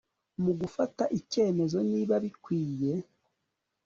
mu gufata icyemezo niba bikwiye